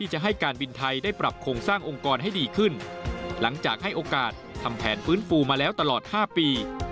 ให้การฟื้นฟูเพราะฉะนั้นต้องทำให้ได้